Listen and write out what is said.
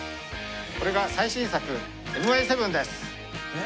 これが最新作ＭＩ７です！